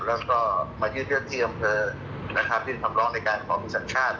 แล้วก็มายืดเลือดที่อำเภอที่คำร้องในการขอมีสัญชาติ